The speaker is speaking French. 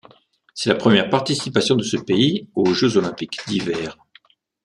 C'est la première participation de ce pays aux Jeux olympiques d'hiver.